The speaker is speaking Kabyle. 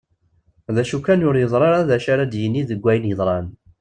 D acu kan ur yeẓri ara d acu ara d-yini deg wayen yeḍran.